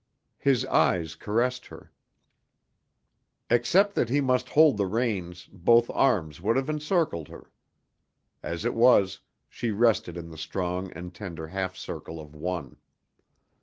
His eyes caressed her. Except that he must hold the reins both arms would have encircled her. As it was, she rested in the strong and tender half circle of one.